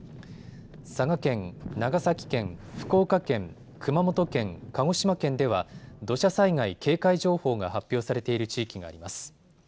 佐賀県、長崎県、福岡県、熊本県、鹿児島県では土砂災害警戒情報が発表されている地域があります。